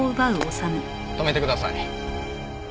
止めてください。